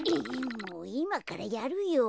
いまからやるよ。